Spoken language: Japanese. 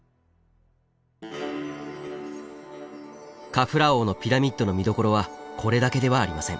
カフラー王のピラミッドの見どころはこれだけではありません。